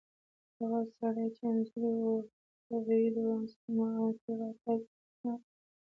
هغه سړی چې انځور ور ته ویلي وو، زما تر راتګه اوسه ناست و.